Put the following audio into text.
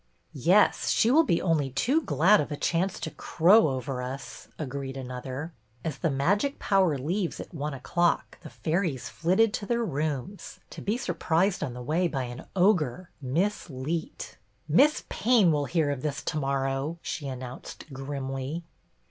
" Yes, she will be only too glad of a chance to crow over us," agreed another. As the magic power leaves at one o'clock, the fairies flitted to their rooms, to be sur prised on the way by an ogre. Miss Leet. A FEAST — NEW TEACHER 173 " Miss Payne will hear of this to morrow," she announced grimly.